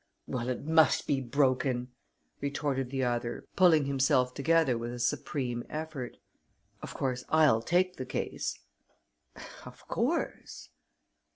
"Well, it must be broken!" retorted the other, pulling himself together with a supreme effort. "Of course, I'll take the case." "Of course!"